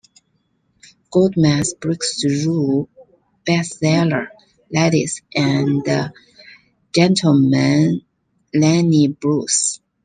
Goldman's breakthrough bestseller, Ladies and Gentlemen - Lenny Bruce!!